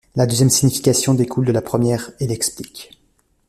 La deuxième signification découle de la première et l’explique.